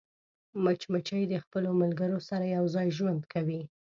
مچمچۍ د خپلو ملګرو سره یوځای ژوند کوي